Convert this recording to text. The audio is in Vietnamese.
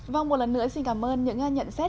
vâng một lần nữa xin cảm ơn những nhận xét